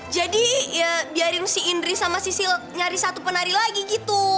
jadi ya biarin si indri sama si sil nyari satu penari lagi gitu